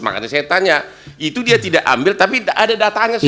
makanya saya tanya itu dia tidak ambil tapi ada datanya